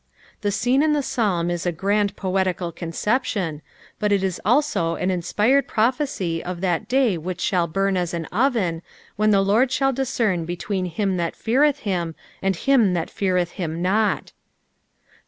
The scene in the Psalm is a grand poetical conceptioa, but it is also an inspired prophecy of that da; which shall ovm as an oven, when the Lord shall discern between him that feareth him and him that feareth him not.